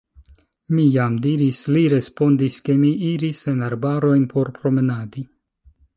Mi jam diris, li respondis, ke mi iris en arbarojn por promenadi.